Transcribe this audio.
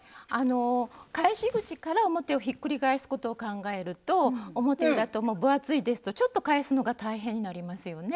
返し口から表をひっくり返すことを考えると表裏とも分厚いですとちょっと返すのが大変になりますよね。